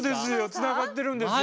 つながってるんですよ